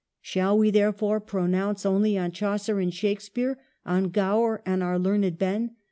Shall we therefore pronounce only on Chaucer and Shakespeare, on Gower and our learned Ben